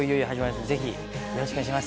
よろしくお願いします。